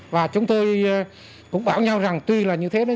và chúng tôi cũng bảo nhau rằng tuy là như thế